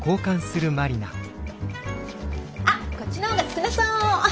あっこっちの方が少なそう！